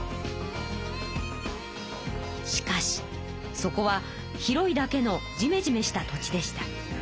しかしそこは広いだけのじめじめした土地でした。